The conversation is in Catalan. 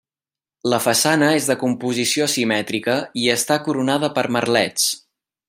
La façana és de composició simètrica i està coronada per merlets.